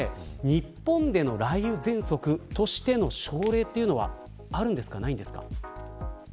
日本での雷雨ぜんそくとしての症例というのはあるんですか、ないんですか。